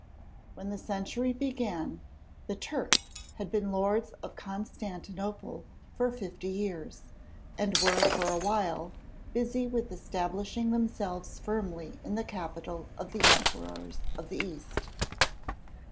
When the century began, the Turks had been lords of Constantinople for fifty years, and were for a while busy with establishing themselves firmly in the capital of the Emperors of the East.